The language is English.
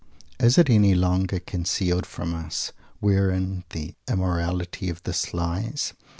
Is it any longer concealed from us wherein the "immorality" of this lies?